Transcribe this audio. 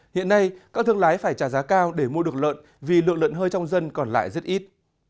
hiện nay các thương lái phải trả giá cao để mua được lợn vì lượng lợn hơi trong dân còn lại rất ít